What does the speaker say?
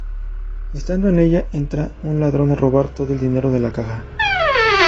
Estando en ella entra un ladrón a robar todo el dinero de la caja.